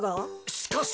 しかし！